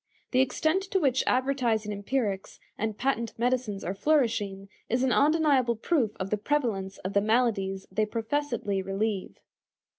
The extent to which advertising empirics and patent medicines are flourishing is an undeniable proof of the prevalence of the maladies they professedly relieve.